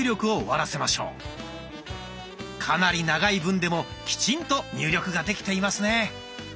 かなり長い文でもきちんと入力ができていますね。